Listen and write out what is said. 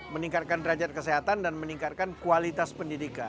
meningkatkan derajat kesehatan dan meningkatkan kualitas pendidikan